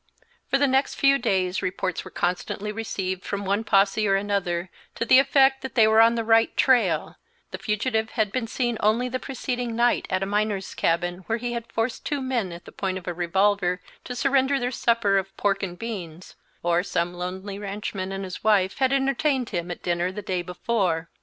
For the next few days reports were constantly received from one posse or another, to the effect that they were on the right trail, the fugitive had been seen only the preceding night at a miners' cabin where he had forced two men at the point of a revolver to surrender their supper of pork and beans; or some lonely ranchman and his wife had entertained him at dinner the day before.